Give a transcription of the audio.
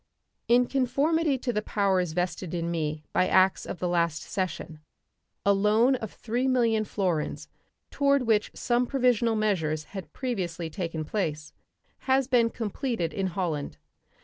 In conformity to the powers vested in me by acts of the last session, a loan of 3,000,000 florins, toward which some provisional measures had previously taken place, has been completed in Holland.